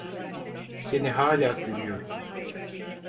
Seni hâlâ seviyorum.